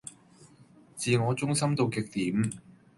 自我中心到極點